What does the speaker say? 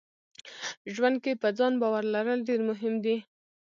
ژوند کې په ځان باور لرل ډېر مهم دي.